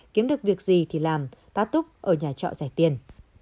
kiếm được việc gì thì làm tá túc ở nhà trọ giải tiền